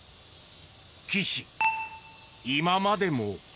岸、今までも。